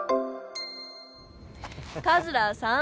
カズラーさん！